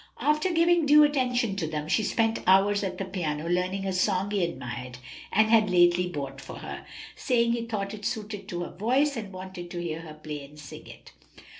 After giving due attention to them, she spent hours at the piano learning a song he admired and had lately bought for her, saying he thought it suited to her voice, and wanted to hear her play and sing it.